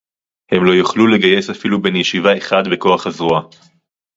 הם לא יוכלו לגייס אפילו בן ישיבה אחד בכוח הזרוע